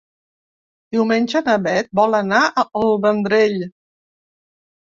Diumenge na Beth vol anar al Vendrell.